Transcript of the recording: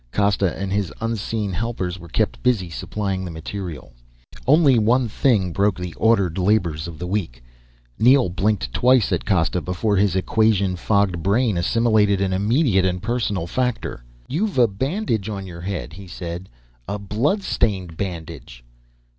Costa and his unseen helpers were kept busy supplying the material. Only one thing broke the ordered labors of the week. Neel blinked twice at Costa before his equation fogged brain assimilated an immediate and personal factor. "You've a bandage on your head," he said. "A blood stained bandage!"